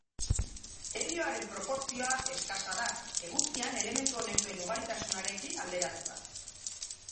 Helioaren proportzioa eskasa da, Eguzkian elementu honek duen ugaritasunarekin alderatuta.